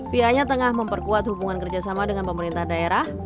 pihaknya tengah memperkuat hubungan kerjasama dengan pemerintah daerah